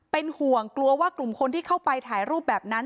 เป็นห่วงกลัวว่ากลุ่มคนที่เข้าไปถ่ายรูปแบบนั้น